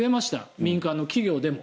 民間の企業でも。